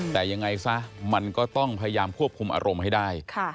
แต่ยังไงซะมันก็ต้องพยายามควบคุมอารมณ์ให้ได้